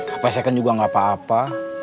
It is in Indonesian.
supaya second juga gak apa apa